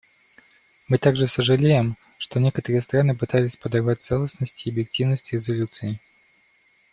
Мы также сожалеем, что некоторые страны пытались подорвать целостность и объективность резолюции.